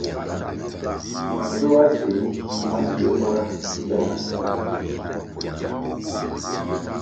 Ndziba simbo ma sie mura ki be na sīm.